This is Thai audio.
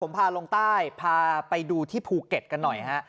ผมพาลงใต้พาไปดูที่ภูเก็ตกันหน่อยฮะ